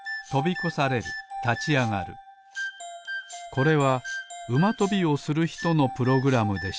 これはうまとびをするひとのプログラムでした。